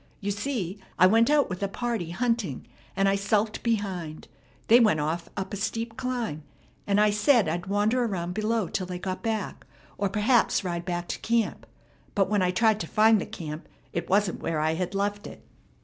You see, I went out with a party hunting, and I sulked behind. They went off up a steep climb, and I said I'd wander around below till they got back, or perhaps ride back to camp; but, when I tried to find the camp, it wasn't where I had left it."